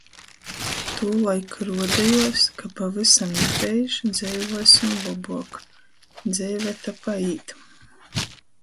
Tūlaik ruodejuos, ka pavysam dreiž dzeivuosim lobuok. dzeive to paīt.